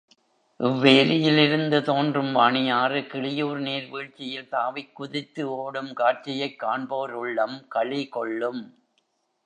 இவ்வேரியிலிருந்து தோன்றும் வாணியாறு, கிளியூர் நீர் வீழ்ச்சியில் தாவிக் குதித்து ஓடும் காட்சியைக் காண்போர் உள்ளம் களி கொள்ளும்.